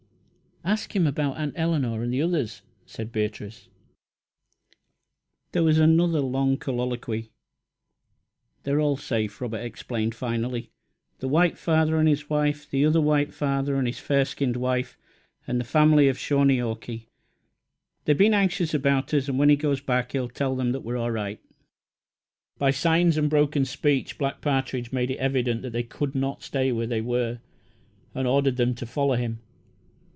"Ask him about Aunt Eleanor and the others," said Beatrice. There was another long colloquy. "They are all safe," Robert explained, finally; "the White Father and his wife, the other White Father and his fair skinned wife, and the family of Shaw nee aw kee. They have been anxious about us, and when he goes back he will tell them that we are all right." By signs and broken speech Black Partridge made it evident that they could not stay where they were, and ordered them to follow him.